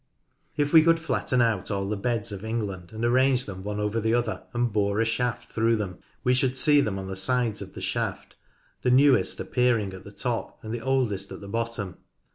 If we could flatten out all the beds of England, and arrange them one over the other and bore a shaft through them, we should see them on the sides of the shaft, the newest appearing at the top and the oldest at the bottom.